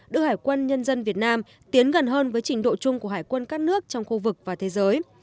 đưa hải quân nhân dân việt nam tiến gần hơn với trình độ chung của hải quân các nước trong khu vực và thế giới